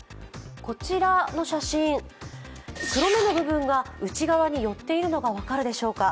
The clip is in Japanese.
こちらの写真、黒目の部分が内側に寄っているのが分かるでしょうか。